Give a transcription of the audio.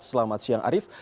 selamat siang arief